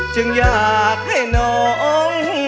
จึงอยากให้น้อง